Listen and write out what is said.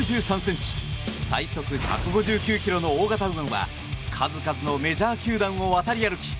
最速１５９キロの大型右腕は数々のメジャー球団を渡り歩き